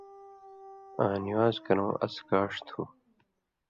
آں نِوان٘ز کرؤں اڅھکاݜ تھُو۔